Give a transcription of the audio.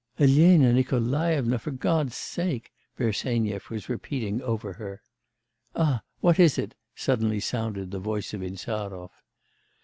'Elena Nikolaevna for God's sake,' Bersenyev was repeating over her. 'Ah! What is it?' suddenly sounded the voice of Insarov.